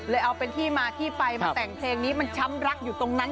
เอาเป็นที่มาที่ไปมาแต่งเพลงนี้มันช้ำรักอยู่ตรงนั้น